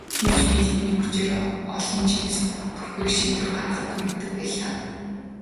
Гэвч би тэднийг хүчээр олон чипс түлхэх шийдвэр гаргахад хүргэдэг байлаа.